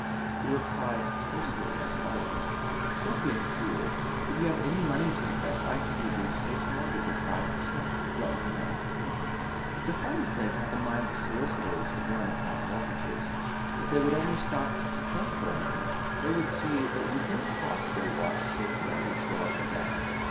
He replied tersely as follows: "Don't be a fool. If you have any money to invest I can get you a safe mortgage at five per cent. Let me know." It's a funny thing how the minds of solicitors run upon mortgages. If they would only stop to think for a moment they would see that you couldn't possibly watch a safe mortgage go up and down.